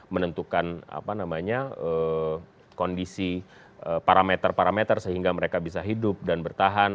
menentukan kondisi parameter parameter sehingga mereka bisa hidup dan bertahan